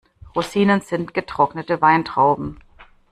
Rosinen sind getrocknete Weintrauben.